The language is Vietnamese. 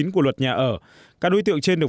của luật nhà ở các đối tượng trên được